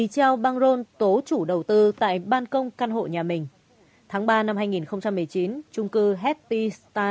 treo băng rôn tố chủ đầu tư tại ban công căn hộ nhà mình tháng ba năm hai nghìn một mươi chín trung cư happy star town